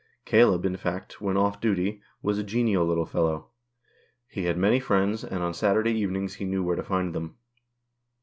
Caleb, in fact, when off duty, was a genial little fellow ; he had many friends, 176 THE KIRK SPOOK. and on Saturday evenings lie knew where to find them.